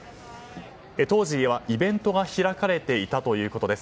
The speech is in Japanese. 当時はイベントが開かれていたということです。